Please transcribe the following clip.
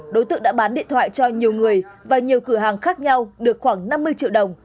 đối tượng đã bán điện thoại cho nhiều người và nhiều cửa hàng khác nhau được khoảng năm mươi triệu đồng